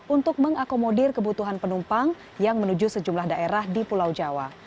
untuk mengakomodir kebutuhan penumpang yang menuju sejumlah daerah di pulau jawa